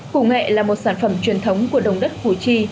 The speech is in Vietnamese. củ nghệ là một sản phẩm truyền thống của đồng đất củ chi